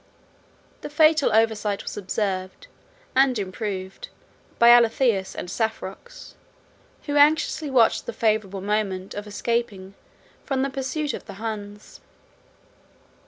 The fatal oversight was observed, and improved, by Alatheus and Saphrax, who anxiously watched the favorable moment of escaping from the pursuit of the Huns.